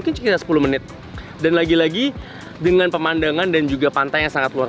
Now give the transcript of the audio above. kita sebelah sana kalau tidak salah